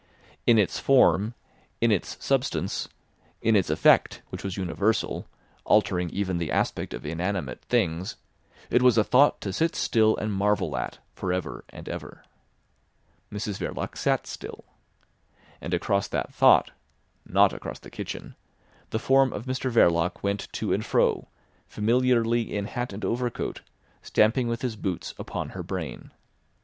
In its form, in its substance, in its effect, which was universal, altering even the aspect of inanimate things, it was a thought to sit still and marvel at for ever and ever. Mrs Verloc sat still. And across that thought (not across the kitchen) the form of Mr Verloc went to and fro, familiarly in hat and overcoat, stamping with his boots upon her brain.